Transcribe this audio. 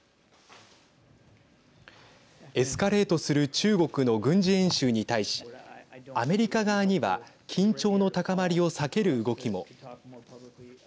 エスカレートする中国の軍事演習に対しアメリカ側には緊張の高まりを避ける動きも。